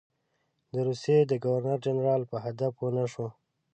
د روسیې د ګورنر جنرال په هدف پوه نه شو.